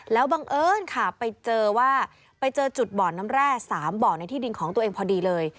แล้วบังเอิญค่ะไปเจอว่าไปเจอจุดบ่อน้ำแร่๓บ่อในที่ดินของตัวเองพอดีเลย